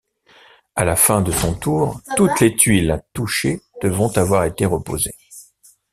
À la fin de son tour, toutes les tuiles touchées devront avoir été reposées.